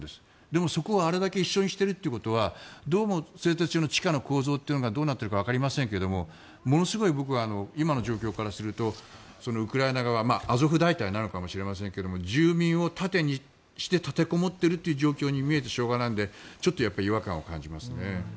でも、そこをあれだけ一緒にしているということは製鉄所の地下の構造がどうなっているかわかりませんが今の状況からするとウクライナ側アゾフ大隊なのかもしれませんが住民を盾にして立てこもっている状況に見えてしょうがないのでちょっと違和感を感じますね。